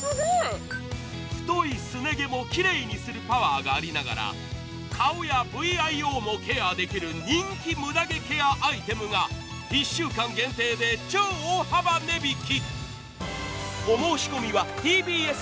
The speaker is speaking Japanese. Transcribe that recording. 太いすね毛もきれいにするパワーがありながら顔やＶＩＯもケアできる人気ケアアイテムが１週間限定で超大幅値引き。